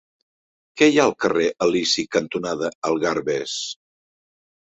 Què hi ha al carrer Elisi cantonada Algarves?